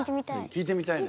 聴いてみたいね。